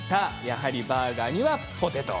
やはり、バーガーにはポテト。